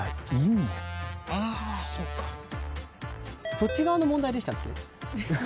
そっち側の問題でしたっけ？